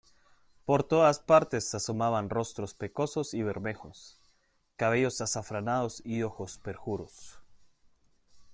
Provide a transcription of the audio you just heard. por todas partes asomaban rostros pecosos y bermejos, cabellos azafranados y ojos perjuros.